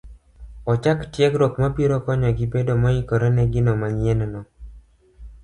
ochak tiegruok mabiro konyogi bedo moikore ne gino manyienno.